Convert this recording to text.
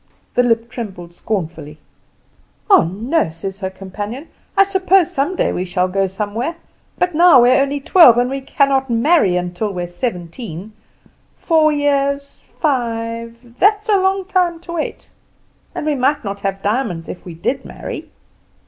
The lip trembled scornfully. "Ah, no," said her companion. "I suppose some day we shall go somewhere; but now we are only twelve, and we cannot marry till we are seventeen. Four years, five that is a long time to wait. And we might not have diamonds if we did marry."